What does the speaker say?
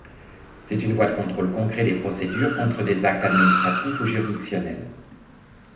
C'est une voie de contrôle concret des procédures contre des actes administratifs ou juridictionnels.